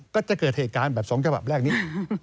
ก็จะเกิดเหตุการณ์แบบ๒ฉบับแรกนี้